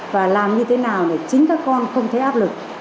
và làm như thế nào để chính các con không thấy áp lực